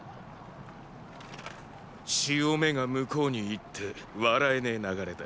潮目が向こうに行って笑えねェ流れだ。